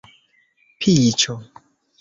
piĉo